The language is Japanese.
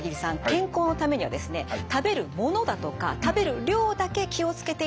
健康のためにはですね食べるものだとか食べる量だけ気を付けていては駄目なんです。